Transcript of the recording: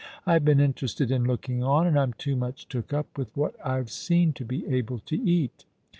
I've been interested in looking on, and I'm too much took up with what I've seen to be able to eat."